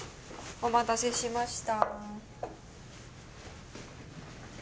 お待たせしました。